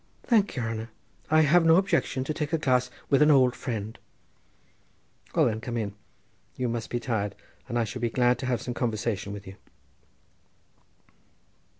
"Thank yere hanner; I have no objection to take a glass wid an old friend." "Well, then, come in; you must be tired, and I shall be glad to have some conversation with you."